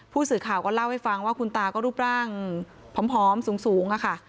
ผู้สื่อข่าวก็เล่าให้ฟังว่าคุณตาก็รูปร่างผอมสูงค่ะ